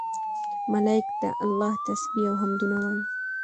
ملائک د الله تسبيح او حمدونه وايي